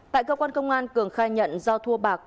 tại cơ quan công an cường khai nhận do thua bạc